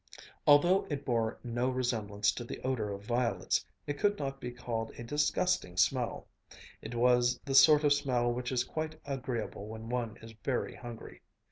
Although it bore no resemblance to the odor of violets, it could not be called a disgusting smell: it was the sort of smell which is quite agreeable when one is very hungry.